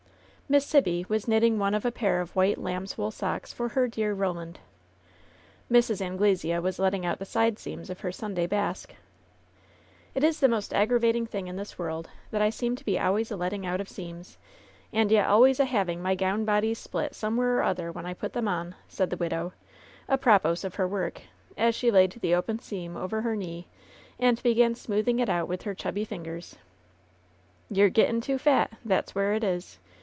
Miss Sibby was knitting one of a pair of white lamb's wool' socks for her dear Roland. Mrs. Anglesea was letting out the side seams of her Sunday basque. "It is the most aggravating thing in this world that I seem to be always a letting out of seams, and yet always a having my gown bodies split somewhere or other when I put them on 1" said the widow, apropos of her work, as she laid the open seam over her knee and began smoothing it out with her chubby fingers. "You^re gettin* too fat, that's where it is.